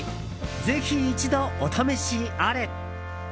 ぜひ一度、お試しあれ。